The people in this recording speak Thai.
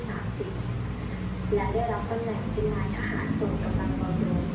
และได้รับประแหน่งเป็นลายทหารส่วนกำลังเบาโดน